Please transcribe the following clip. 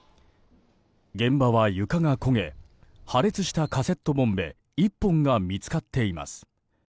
現場は床が焦げ破裂したカセットボンベ１本が見つかっています。